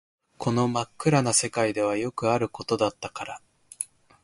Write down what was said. この真っ暗な世界ではよくあることだったから